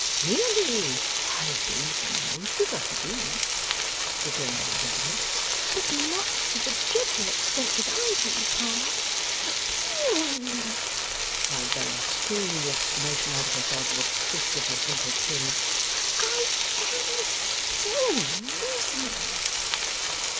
'Really I think most of us do,' returned R. W. 'But not to the dreadful extent that I do, Pa. O o!' cried Bella, screwing the exclamation out of herself with a twist of her dimpled chin. 'I AM so mercenary!